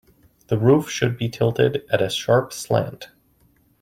The roof should be tilted at a sharp slant.